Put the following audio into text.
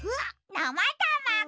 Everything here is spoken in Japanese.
なたまご！